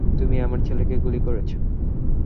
তুমি আমার ছেলেকে গুলি করেছো!